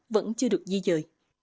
vẫn chưa được di dời